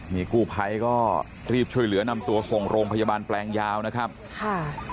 นี่กู้ภัยก็รีบช่วยเหลือนำตัวส่งโรงพยาบาลแปลงยาวนะครับค่ะ